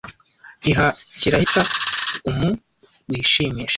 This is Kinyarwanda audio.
Iha kirahita Umu wishimisha.